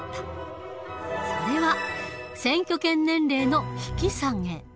それは選挙権年齢の引き下げ。